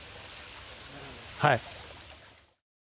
はい。